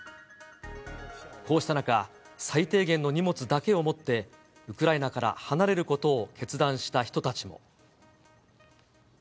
こうした中、最低限の荷物だけを持って、ウクライナから離れることを決断した人たちも。